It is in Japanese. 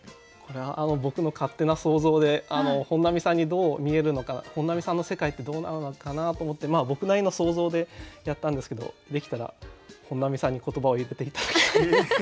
これは僕の勝手な想像で本並さんにどう見えるのか本並さんの世界ってどうなのかなと思ってまあ僕なりの想像でやったんですけどできたら本並さんに言葉を入れて頂きたい。